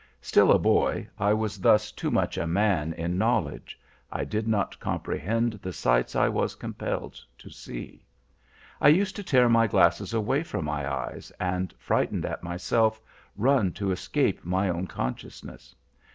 "Still a boy, I was thus too much a man in knowledge,—I did not comprehend the sights I was compelled to see. I used to tear my glasses away from my eyes, and, frightened at myself, run to escape my own consciousness.